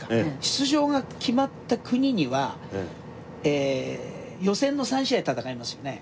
出場が決まった国には予選の３試合戦いますよね。